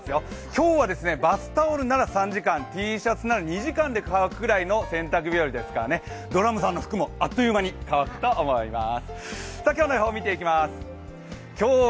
今日はバスタオルなら３時間、Ｔシャツなら２時間で乾くぐらいの洗濯日和ですからね、ドラムさんの服もあっという間に乾くと思います。